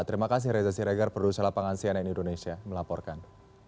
terima kasih reza siregar produsen lapangan sianen indonesia melaporkan